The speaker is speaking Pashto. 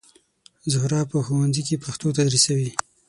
زهرا په ښوونځي کې پښتو تدریسوي